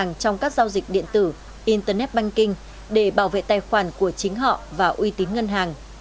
các ngân hàng trong các giao dịch điện tử internet banking để bảo vệ tài khoản của chính họ và uy tín ngân hàng